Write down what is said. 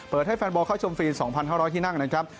เปิดให้แฟนบอลเข้าชมฟีน๒๐๐๕ร้อยที่นั่งนะครับ